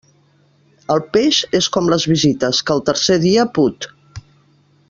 El peix és com les visites, que al tercer dia put.